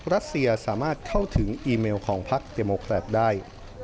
รัสเซียสามารถเข้าถึงอีเมลของพักเจโมแครตได้